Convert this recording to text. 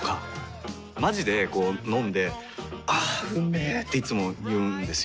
まじでこう飲んで「あーうんめ」っていつも言うんですよ。